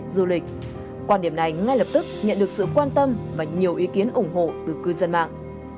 du lịch quan điểm này ngay lập tức nhận được sự quan tâm và nhiều ý kiến ủng hộ từ cư dân mạng